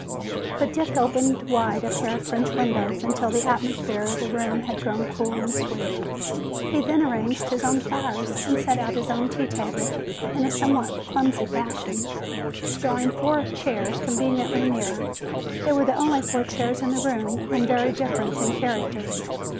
But Dick opened wide a pair of French windows until the atmosphere of the room had grown cool and sweet. He then arranged his own flowers and set out his own tea table in a somewhat clumsy fashion, drawing four chairs conveniently near. They were the only four chairs in the room and very different in character.